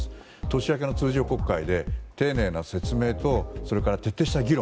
年明けの通常国会で丁寧な説明とそれから徹底した議論